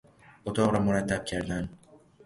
اتاق را مرتب کردن